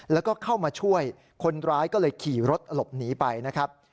แล้วก็เข้ามาช่วยคนร้ายก็เลยขี่รถหลบหนีไปนะครับ